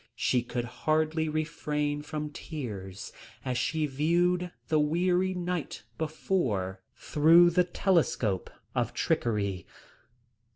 She could hardly refrain from tears as she viewed the weary night before through the telescope of trickery.